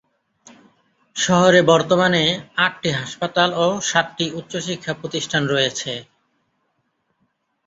শহরে বর্তমানে আটটি হাসপাতাল ও সাতটি উচ্চশিক্ষা প্রতিষ্ঠান রয়েছে।